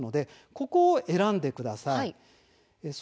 ここを選んでください。